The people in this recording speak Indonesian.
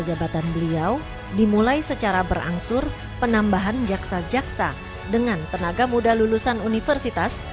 jabatan beliau dimulai secara berangsur penambahan jaksa jaksa dengan tenaga muda lulusan universitas